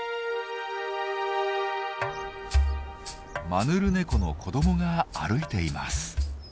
マヌルネコの子どもが歩いています。